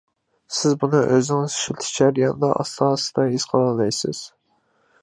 سىز بۇنى ئۆزىڭىز ئىشلىتىش جەريانىدا ئاستا-ئاستا ھېس قىلالايسىز.